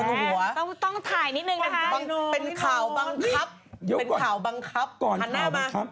แดดภังคางอยู่บนหัว